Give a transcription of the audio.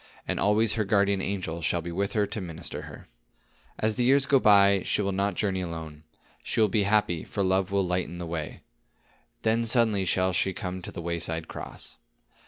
And always her guardian angel shall be with her to minister to her. "As the years go by, she will not journey alone. She will be happy, for love will lighten the way. Then suddenly shall she come to the wayside cross.